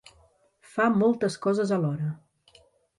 Fa moltes coses alhora.